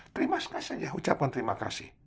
terima kasih saja ucapan terima kasih